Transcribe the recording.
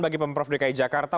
bagi pemprov dki jakarta